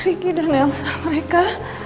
riki dan elsa mereka